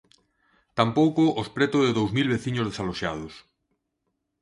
Tampouco os preto de dous mil veciños desaloxados.